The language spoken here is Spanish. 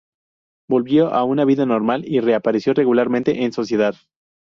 Volvió a una vida normal y reapareció regularmente en sociedad.